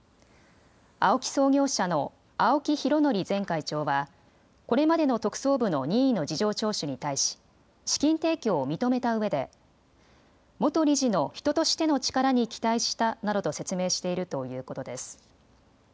ＡＯＫＩ創業者の青木拡憲前会長はこれまでの特捜部の任意の事情聴取に対し資金提供を認めたうえで元理事の人としての力に期待したなどと説明しているということです。